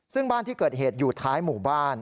ซึ่งบ้านที่เกิดเหตุอยู่ท้ายหมู่บ้าน